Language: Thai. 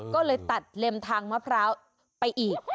ก็เลยตัดเลมทางมะพร้าวไปอีก